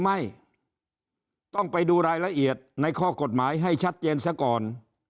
ไม่ต้องไปดูรายละเอียดในข้อกฎหมายให้ชัดเจนซะก่อน